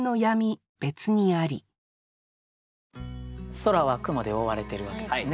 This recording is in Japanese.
空は雲で覆われてるわけですね。